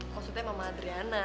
maksudnya mama adriana